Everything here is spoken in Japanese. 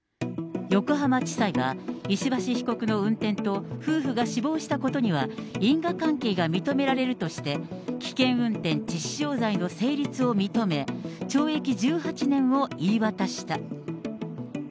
横浜地裁は石橋被告の運転と、夫婦が死亡したことには、因果関係が認められるとして、危険運転致死傷罪の成立を認め、懲役１８年を言い渡した。